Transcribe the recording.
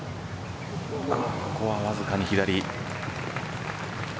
ここはわずかに左。